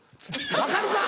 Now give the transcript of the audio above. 分かるか！